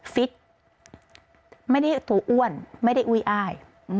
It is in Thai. ฟิตไม่ได้ตัวอ้วนไม่ได้อุ้ยอ้าย